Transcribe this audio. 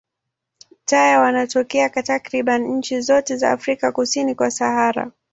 Taya wanatokea takriban nchi zote za Afrika kusini kwa Sahara.